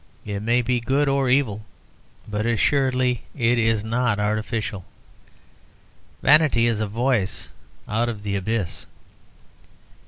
It may be good or evil, but assuredly it is not artificial: vanity is a voice out of the abyss.